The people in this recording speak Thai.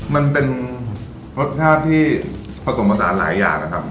มันเป็นรสชาติที่ผสมผสานหลายอย่างนะครับ